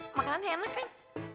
makanan enak kan